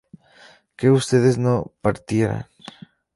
que ustedes no partieran